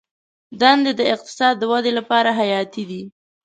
دندې د اقتصاد د ودې لپاره حیاتي دي.